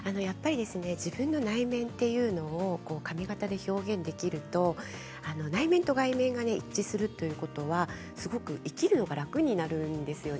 自分の内面というのを髪形で表現できると内面と外面が一致するということは、生きるのが楽になるんですね。